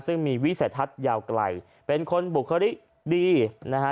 ซึ่งมีวิสัยทัศน์ยาวไกลเป็นคนบุคลิกดีนะฮะ